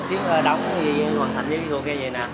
tiếp đó đóng hoàn thành cái xuồng kia này nè